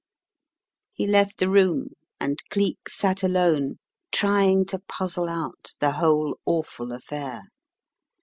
He left the room, and Cleek sat alone, trying to puzzle out the whole awful affair.